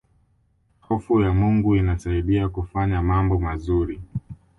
hofu ya mungu inasaidia kufanya mambo mazuri